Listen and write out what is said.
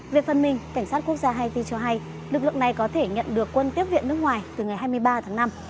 về phần mình cảnh sát quốc gia haiti cho hay lực lượng này có thể nhận được quân tiếp viện nước ngoài từ ngày hai mươi ba tháng năm